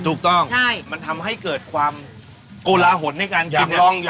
ถูกต้องใช่มันทำให้เกิดความโกลาหลในการกินอยากลองอยากลอง